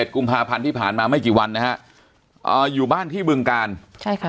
กุมภาพันธ์ที่ผ่านมาไม่กี่วันนะฮะอยู่บ้านที่บึงการใช่ค่ะ